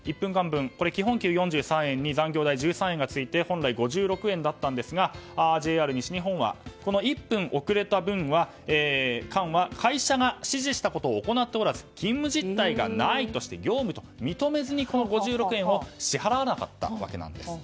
基本給４３円に残業代１３円がついて本来５６円だったんですがＪＲ西日本はこの１分遅れた分は会社が指示したことを行っておらず勤務実態がないとして業務と認めずにこの５６円を支払わなかったわけなんです。